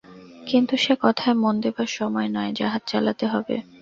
কিন্তু সে কথায় মন দেবার সময় নয়, জাহাজ চালাতে হবে।